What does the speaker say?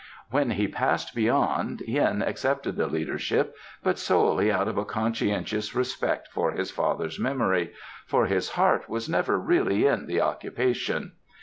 When he Passed Beyond, Hien accepted the leadership, but solely out of a conscientious respect for his father's memory, for his heart was never really in the occupation.